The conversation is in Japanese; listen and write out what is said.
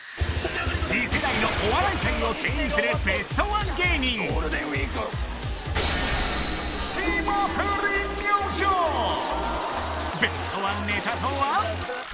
次世代のお笑い界を牽引するベストワン芸人ベストワンネタとは？